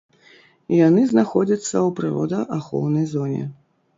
Яны знаходзяцца ў прыродаахоўнай зоне.